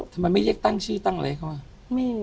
ทำไมไม่เรียกตั้งชื่อตั้งอะไรเขาอ่ะ